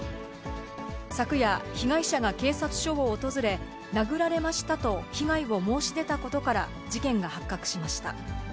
昨夜、被害者が警察署を訪れ、殴られましたと被害を申し出たことから事件が発覚しました。